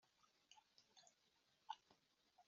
akanabyigisha barumuna be